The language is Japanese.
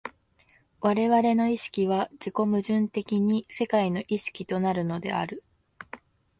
我々の意識は自己矛盾的に世界の意識となるのである。